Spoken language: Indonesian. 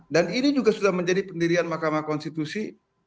dan ini juga sudah menjadi pendirian mahkamah konstitusi